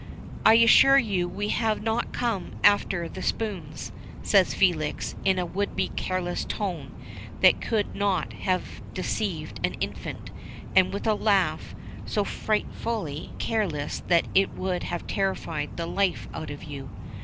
"I assure you we have not come after the spoons," says Felix, in a would be careless tone that could not have deceived an infant, and with a laugh, so frightfully careless that it would have terrified the life out of you.